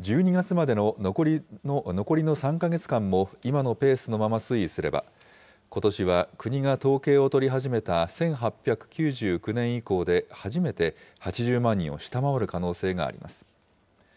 １２月までの残りの３か月間も今のペースのまま推移すれば、ことしは国が統計を取り始めた１８９９年以降で初めて８０万人を下回る可能性があります。